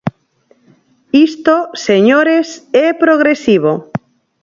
Isto, señores, é progresivo.